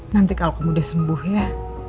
nanti kalo kamu udah sembuh ya